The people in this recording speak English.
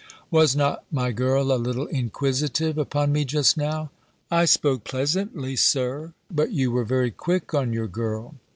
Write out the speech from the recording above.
"Was not my girl a little inquisitive upon me just now?" "I spoke pleasantly. Sir But you were very quick on your girl."